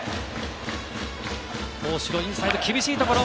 大城、インサイド、厳しいところ。